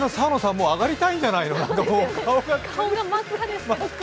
もう上がりたいんじゃないですか？